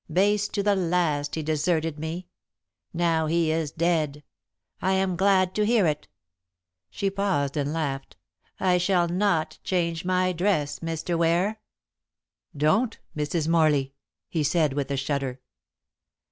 Base to the last he deserted me. Now he is dead. I am glad to hear it." She paused and laughed. "I shall not change my dress, Mr. Ware." "Don't, Mrs. Morley," he said, with a shudder.